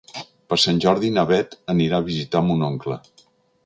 Per Sant Jordi na Bet anirà a visitar mon oncle.